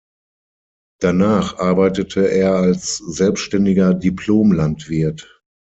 Danach arbeitete er als selbständiger Diplomlandwirt.